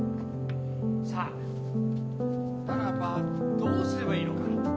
さあならばどうすればいいのか？